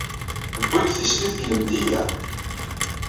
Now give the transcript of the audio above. Wwin-d tislit seg Lemdeyya.